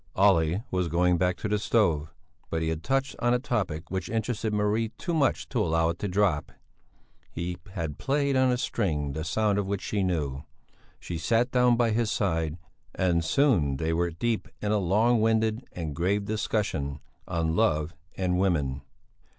Olle was going back to the stove, but he had touched on a topic which interested Marie too much to allow it to drop; he had played on a string the sound of which she knew. She sat down by his side and soon they were deep in a long winded and grave discussion on love and women.